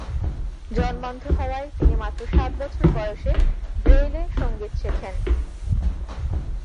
জন্মান্ধ হওয়ায় তিনি মাত্র সাত বছর বয়সে ব্রেইলে সঙ্গীত শেখেন।